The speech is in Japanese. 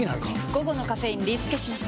午後のカフェインリスケします！